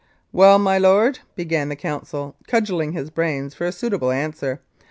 "Well, my lord," began the counsel, cudgelling his brains for a suitable answer.